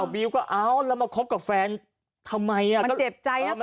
บิ๊วก็อ้าวแล้วมาคบกับแฟนทำไมอ่ะก็มันเจ็บใจน่ะ